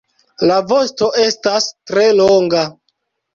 La vosto estas tre longa.